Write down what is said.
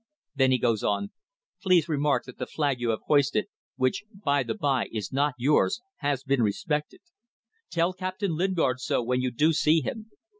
Then he goes on: 'Please remark that the flag you have hoisted which, by the by, is not yours has been respected. Tell Captain Lingard so when you do see him.